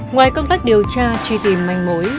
ngoài công tác điều tra truy tìm manh mối